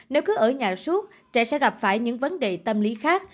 nếu cứ ở nhà suốt trẻ sẽ gặp phải những vấn đề tâm lý khác